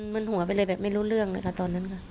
มันหัวไปเลยแบบไม่รู้เรื่องเลยค่ะตอนนั้นค่ะ